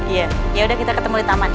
iya yaudah kita ketemu di taman